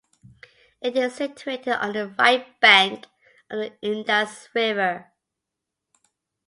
It is situated on the right bank of the Indus River.